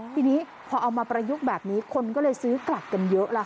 ทีนี้พอเอามาประยุกต์แบบนี้คนก็เลยซื้อกลับกันเยอะแล้วค่ะ